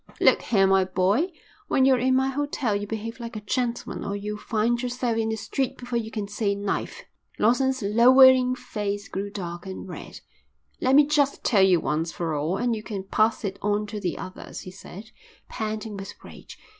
"Look here, my boy, when you're in my hotel you behave like a gentleman or you'll find yourself in the street before you can say knife." Lawson's lowering face grew dark and red. "Let me just tell you once for all and you can pass it on to the others," he said, panting with rage.